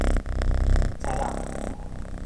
擦仔